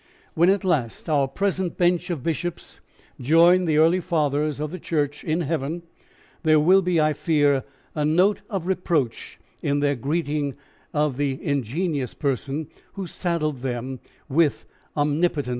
When at last our present bench of bishops join the early fathers of the church in heaven there will be, I fear, a note of reproach in their greeting of the ingenious person who saddled them with OMNIPOTENS.